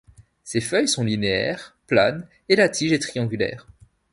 Ses feuilles sont linéaires, planes et la tige est triangulaire.